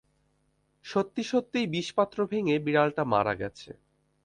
সত্যিই সত্যিই বিষপাত্র ভেঙে বিড়ালটা মারা গেছে!